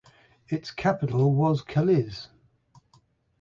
Its capital was Kalisz.